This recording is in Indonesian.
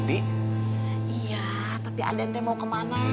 iya tapi aden mau kemana